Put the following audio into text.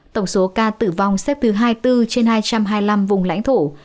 tổng số ca tử vong xếp thứ hai mươi bốn trên hai trăm hai mươi năm vùng lãnh thổ